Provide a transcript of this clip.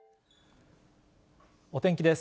お天気です。